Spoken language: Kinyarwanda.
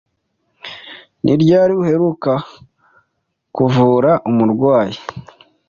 Ni ryari uheruka kuvura umurwayi?